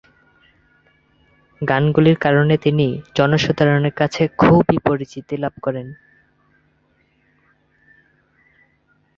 গানগুলির কারণে তিনি জনসাধারণের কাছে খুবই পরিচিতি লাভ করেন।